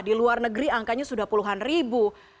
di luar negeri angkanya sudah puluhan ribu